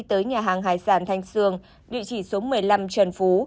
tới nhà hàng hải sản thanh sương địa chỉ số một mươi năm trần phú